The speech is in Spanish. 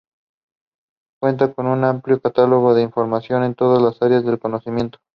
Cuenta con una amplio catálogo de información en todas las áreas del conocimiento.